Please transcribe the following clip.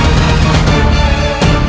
aku akan menemukanmu